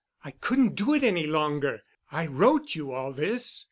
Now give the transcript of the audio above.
I couldn't do it any longer. I wrote you all this.